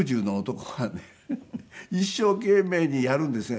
一生懸命にやるんですね